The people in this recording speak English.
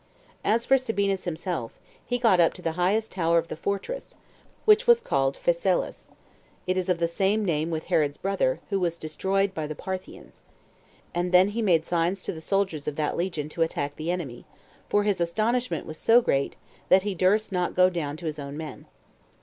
As for Sabinus himself, he got up to the highest tower of the fortress, which was called Phasaelus; it is of the same name with Herod's brother, who was destroyed by the Parthians; and then he made signs to the soldiers of that legion to attack the enemy; for his astonishment was so great, that he durst not go down to his own men.